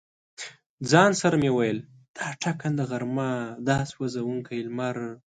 ځان سره مې ویل: دا ټکنده غرمه، دا سوزونکی لمر.